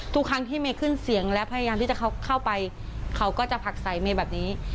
ทุกครั้งที่เมย์ขึ้นเสียงและพยายามที่จะเข้าไปเขาก็จะผลักใส่เมย์แบบนี้